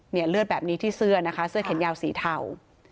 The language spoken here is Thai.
เลือดแบบนี้ที่เสื้อนะคะเสื้อแขนยาวสีเทา